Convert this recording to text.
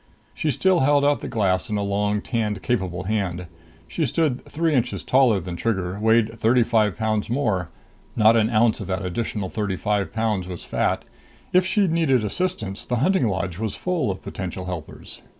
She still held out the glass, in a long, tanned, capable hand. She stood three inches taller than Trigger, weighted thirty five pounds more. Not an ounce of that additional thirty five pounds was fat. If she'd needed assistance, the hunting lodge was full of potential helpers.